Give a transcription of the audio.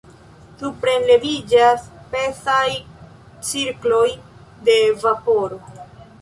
Suprenleviĝas pezaj cirkloj de vaporo.